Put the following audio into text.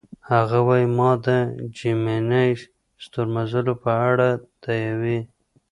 هغه وايي: "ما د جیمیني ستورمزلو په اړه د یوې.